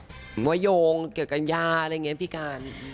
ผมว่าโยงเกี่ยวกัญญาอะไรอย่างนี้พี่การ